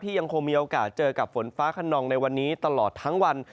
ยังคงมีโอกาสเจอกับฝนฟ้าขนองในวันนี้ตลอดทั้งวัน